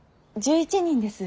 １１人です。